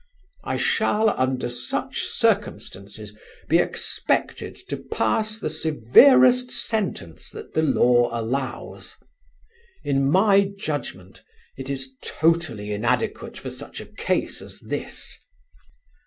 "I shall under such circumstances be expected to pass the severest sentence that the law allows. In my judgment it is totally inadequate for such a case as this.